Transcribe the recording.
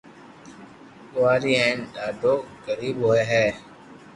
گوزاري ھي ھين ڌاڌو غرين ھوئي ھي